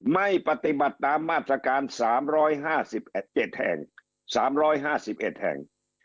ไม่ปฏิบัติตามมาตรการ๓๕๑แห่ง